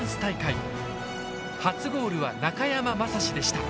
初ゴールは中山雅史でした。